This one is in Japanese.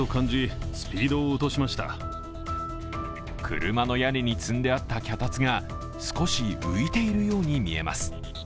車の屋根に積んであった脚立が少し浮いているように見えます。